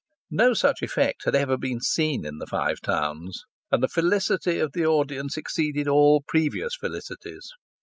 No such effect had ever been seen in the Five Towns, and the felicity of the audience exceeded all previous felicities.